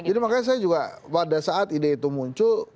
jadi makanya saya juga pada saat ide itu muncul